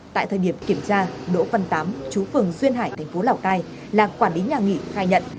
tại thời điểm kiểm tra đỗ văn tám chú phường duyên hải thành phố lào cai là quản lý nhà nghị khai nhận